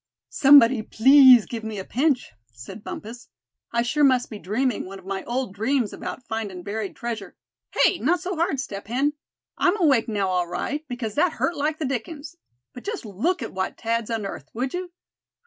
"Somebody please give me a pinch," said Bumpus. "I sure must be dreaming one of my old dreams about findin' buried treasure. Hey! not so hard, Step Hen; I'm awake now all right, because that hurt like the dickens. But just look at what Thad's unearthed, would you?